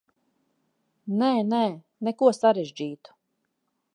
Nē, nē, neko sarežģītu.